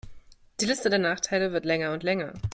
Die Liste der Nachteile wird länger und länger.